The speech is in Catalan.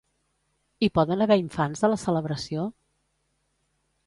Hi poden haver infants a la celebració?